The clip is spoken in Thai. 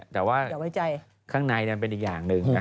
แต่ว่าข้างในนั้นเป็นอีกอย่างหนึ่ง